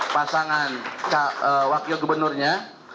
pasangan wakil gubernurnya